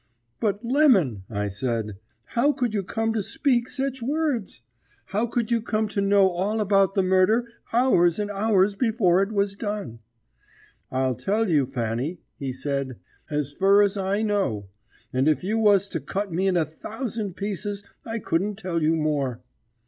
"'But, Lemon,' I said, 'how could you come to speak sech words? How could you come to know all about the murder hours and hours before it was done?' "'I'll tell you, Fanny,' he said, 'as fur as I know; and if you was to cut me in a thousand pieces I couldn't tell you more.'